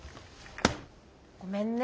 ごめんね。